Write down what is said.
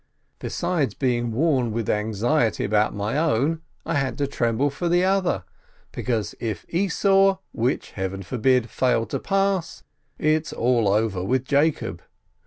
Besides being worn with anxiety about my own, I had to tremble for the other, because if Esau, which Heaven forbid, fail to pass, it's all over with Jacob.